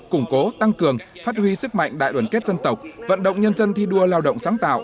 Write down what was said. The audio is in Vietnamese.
củng cố tăng cường phát huy sức mạnh đại đoàn kết dân tộc vận động nhân dân thi đua lao động sáng tạo